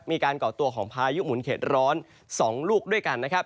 ก่อตัวของพายุหมุนเข็ดร้อน๒ลูกด้วยกันนะครับ